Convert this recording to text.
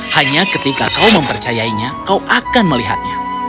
hanya ketika kau mempercayainya kau akan melihatnya